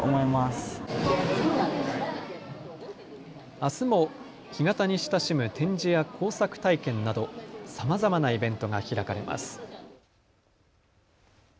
あすも干潟に親しむ展示や工作体験などさまざまなイベントが開かれます。